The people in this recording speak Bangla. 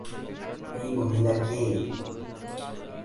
এই মহিলা কে?